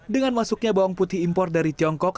dengan masuknya bawang putih impor dari tiongkok